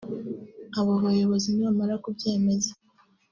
Abo bayobozi nibamara kubyemeza